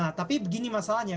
nah tapi begini masalahnya